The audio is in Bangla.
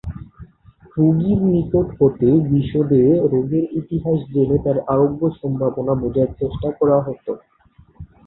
রোগীর নিকট হতে বিশদে রোগের ইতিহাস জেনে তাঁর আরোগ্য সম্ভাবনা বোঝার চেষ্টা করা হত।